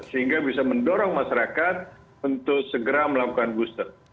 sehingga bisa mendorong masyarakat untuk segera melakukan booster